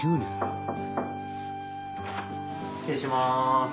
失礼します。